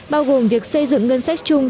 bao gồm việc xây dựng ngân sách chung